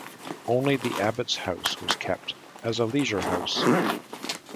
Only the abbott's house was kept, as a leisure house.